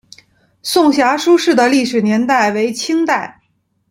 颂遐书室的历史年代为清代。